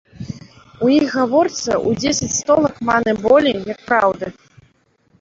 У іх гаворцы ў дзесяць столак маны болей, як праўды.